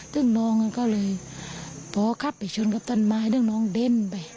ซึ่งน้องก็เลยพอขับไปชนกับต้นไม้เรื่องน้องเด้นไป